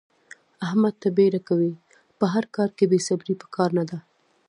احمد تل بیړه کوي. په هر کار کې بې صبرې په کار نه ده.